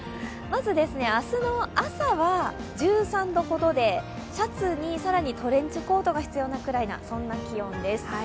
まず、明日の朝は１３度ほどでシャツに更にトレンチコートが必要なくらいな気温です。